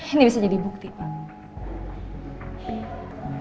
ini bisa jadi bukti pak